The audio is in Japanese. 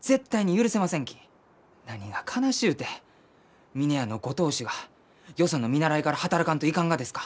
何が悲しゅうて峰屋のご当主がよその見習いから働かんといかんがですか？